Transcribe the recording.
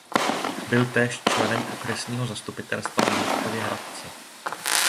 Byl též členem okresního zastupitelstva v Jindřichově Hradci.